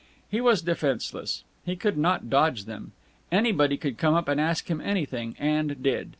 He was defenseless. He could not dodge them. Anybody could come up and ask him anything and did.